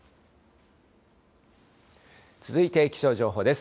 続いて、気象情報です。